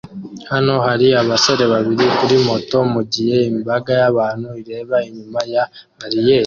Hano hari abasore babiri kuri moto mugihe imbaga y'abantu ireba inyuma ya bariyeri